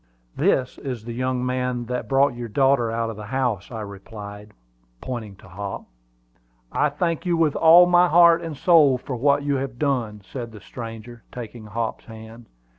"This is the young man that brought your daughter out of the house," I replied, pointing to Hop. "I thank you with all my heart and soul for what you have done," said the stranger, taking Hop's hand.